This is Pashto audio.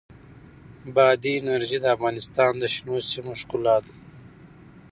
بادي انرژي د افغانستان د شنو سیمو ښکلا ده.